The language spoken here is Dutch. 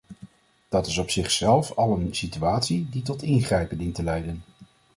Dat is op zich zelf al een situatie die tot ingrijpen dient te leiden.